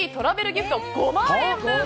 ギフト５万円分。